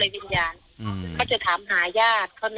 แล้วคนชื่อโอมก็ไม่เคยออกสื่อพี่ก็ไม่รู้จักโอมหรอกเมื่อก่อนเนอะ